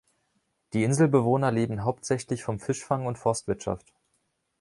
Die Inselbewohner leben hauptsächlich vom Fischfang und Forstwirtschaft.